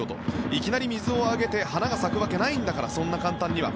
いきなり水をあげて花が咲くわけないんだからそんな簡単には。